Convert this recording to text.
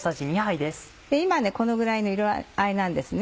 今このぐらいの色合いなんですね。